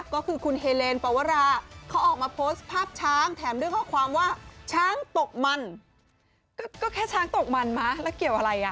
ก็แค่ช้างตกมันมาแล้วเกี่ยวอะไรอ่ะ